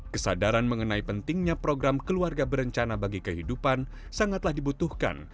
kesadaran mengenai pentingnya program keluarga berencana bagi kehidupan sangatlah dibutuhkan